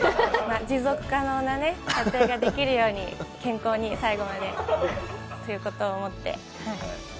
持続可能な撮影ができるように健康に最後までということを思って。